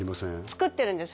作ってるんです